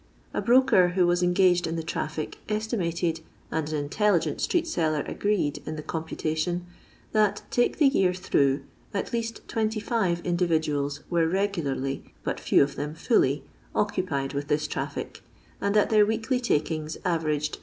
A broker who was engaged in the traffic estimated — and an intelligent street^eller agreed in the computation — that, take the year through, at least 25 individuals were regularly, but few of them fully, occupied with this traffic, and that their weekly takings averaged 30